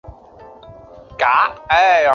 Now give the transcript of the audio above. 楚武穆王马殷用该年号。